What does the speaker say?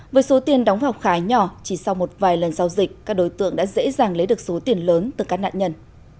với số tiền đóng vào khá nhỏ chỉ sau một vài lần giao dịch các đối tượng đã dễ dàng lấy được số tiền lớn từ các nạn nhân